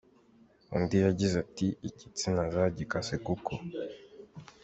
Undi yagize ati “Igitsina zagikase kuko.